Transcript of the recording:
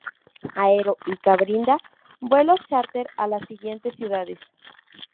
Aero Ica brinda vuelos chárter a las siguientes ciudades.